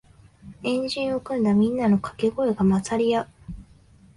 円陣を組んだみんなのかけ声が混ざり合う